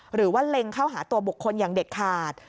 หรือว่าเล็งเข้าหาตัวบุคคลอย่างเด็ดขาด